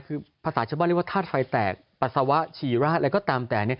คือภาษาเฉพาะเรียกว่าทาสไฟแตกปัสสาวะฉีระแล้วก็ตามแต่